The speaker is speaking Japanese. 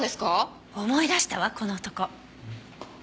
思い出したわこの男。